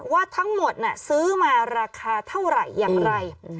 ว่าทั้งหมดซื้อมาราคาเท่าไหร่อย่างไร